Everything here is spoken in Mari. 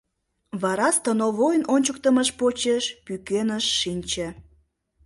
Вара становойын ончыктымыж почеш пӱкеныш шинче.